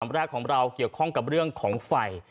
แรกของเราเกี่ยวข้องกับเรื่องของไฟ